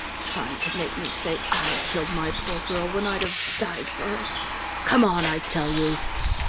Trying to make me say I killed my poor girl, when I'd have died for her Come on, I tell you!"